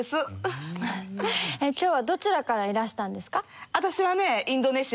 今日はどちらからいらしたんですか？